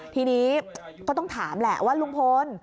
ทีนี้ก็ต้องถามแหละว่าลุงพล